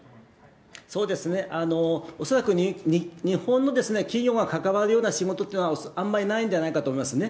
恐らく日本の企業が関わるような仕事っていうのはあんまりないんではないかと思いますね。